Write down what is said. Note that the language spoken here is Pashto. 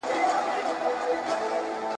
اوس هغي لمبې ته وزرونه بورا نه نیسي ,